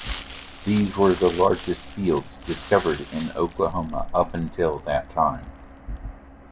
These were the largest fields discovered in Oklahoma up until that time.